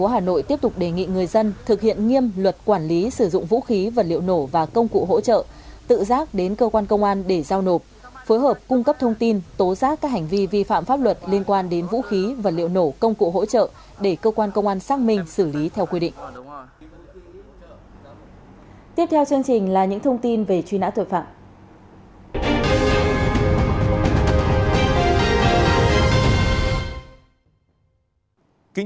hà nội tiếp tục đề nghị người dân thực hiện nghiêm luật quản lý sử dụng vũ khí vật liệu nổ và công cụ hỗ trợ tự giác đến cơ quan công an để giao nộp phối hợp cung cấp thông tin tố giác các hành vi vi phạm pháp luật liên quan đến vũ khí vật liệu nổ công cụ hỗ trợ để cơ quan công an xác minh xử lý theo quy định